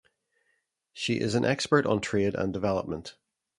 She is an expert on trade and development.